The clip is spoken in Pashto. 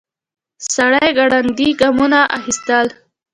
سړی ګړندي ګامونه اخيستل.